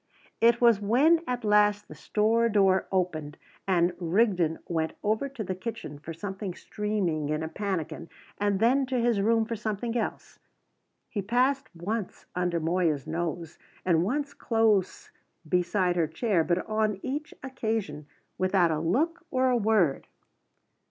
It was when at last the store door opened, and Rigden went over to the kitchen for something steaming in a pannikin, and then to his room for something else. He passed once under Moya's nose, and once close beside her chair, but on each occasion without a look or a word.